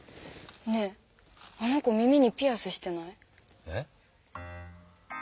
ねえあの子耳にピアスしてない？え？